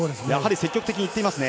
積極的にいっていますね。